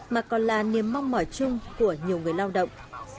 mà còn là niềm mong mỏi chung của nhiều người lao động